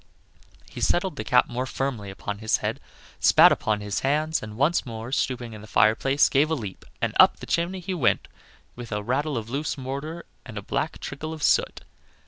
He settled the cap more firmly upon his head, spat upon his hands, and once more stooping in the fireplace, gave a leap, and up the chimney he went with a rattle of loose mortar and a black trickle of soot.